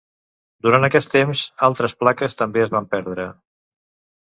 Durant aquest temps, altres plaques també es van perdre.